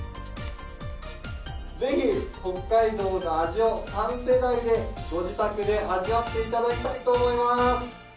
ぜひ北海道の味を３世代でご自宅で味わっていただきたいと思います。